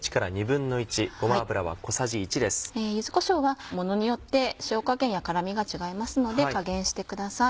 柚子こしょうはものによって塩加減や辛みが違いますので加減してください。